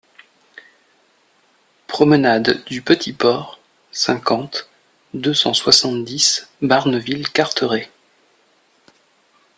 Promenade du Petit Port, cinquante, deux cent soixante-dix Barneville-Carteret